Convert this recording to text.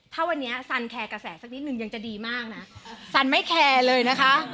ถ้าวันนี้สันแคร์กระแสสักนิดนึงยังจะดีมากนะสันไม่แคร์เลยนะคะ